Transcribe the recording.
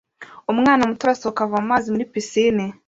Umwana muto arasohoka ava mumazi muri pisine